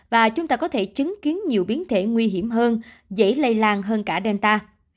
và chúng ta có thể chứng kiến nhiều biến thể nguy hiểm hơn dễ lây lan hơn cả delta